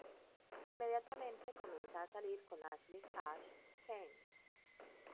Inmediatamente comienza a salir con Ashleigh "Ash" Kane.